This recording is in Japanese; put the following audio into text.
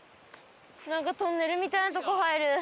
なんかトンネルみたいなとこ入る。